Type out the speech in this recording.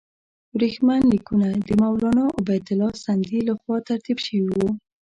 ورېښمین لیکونه د مولنا عبیدالله سندي له خوا ترتیب شوي وو.